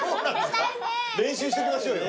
練習しときましょうよ。